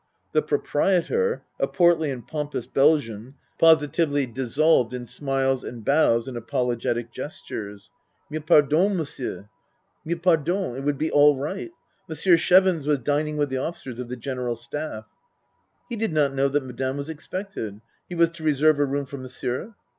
The proprietor, a portly and pompous Belgian, positively dissolved in smiles and bows and apologetic gestures. Mille pardons, monsieur, mille pardons. It would be all right. Monsieur Chevons was dining with the officers of the General Staff. He did not know that Madame was expected. He was to reserve a room for Monsieur